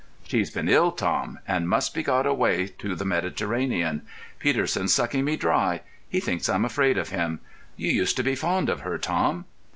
"She's been ill, Tom, and must be got away to the Mediterranean. Peterson's sucking me dry; he thinks I'm afraid of him. You used to be fond of her, Tom."